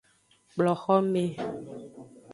Kplo xome.